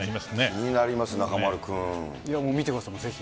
気になります、中丸君。いやもう、見てください、もうぜひ。